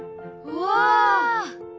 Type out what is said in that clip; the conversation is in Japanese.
うわ！